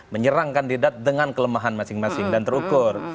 menyerang kandidat dengan kelemahan masing masing dan terukur